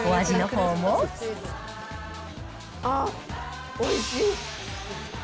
あっ、おいしい。